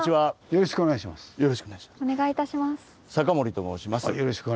よろしくお願いします。